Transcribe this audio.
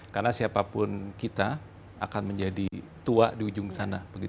karena siapapun kita akan menjadi tua di ujung sana